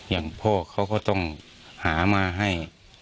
อย่างพ่อเขาก็ต้องหามาให้